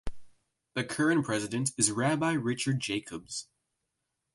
The current president is Rabbi Richard Jacobs.